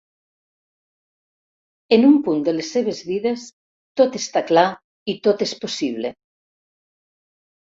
En un punt de les seves vides, tot està clar i tot és possible.